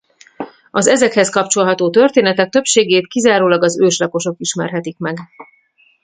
Az ezekhez kapcsolható történetek többségét kizárólag az őslakosok ismerhetik meg.